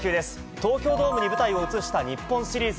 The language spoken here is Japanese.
東京ドームに舞台を移した日本シリーズ。